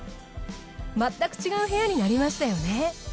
まったく違う部屋になりましたよね。